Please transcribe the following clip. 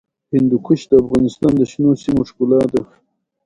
هندوکش د افغانستان د شنو سیمو ښکلا ده.